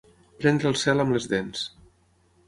Prendre el cel amb les dents.